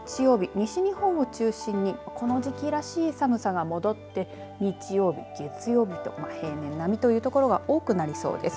西日本を中心にこの時期らしい寒さが戻って、日曜日、月曜日と平年並みという所が多くなりそうです。